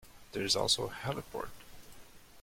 There is also a heliport.